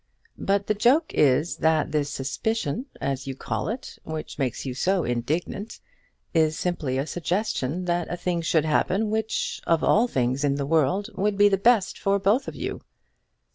"But the joke is that this suspicion, as you call it, which makes you so indignant, is simply a suggestion that a thing should happen which, of all things in the world, would be the best for both of you."